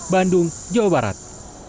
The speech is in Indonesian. bandung jawa barat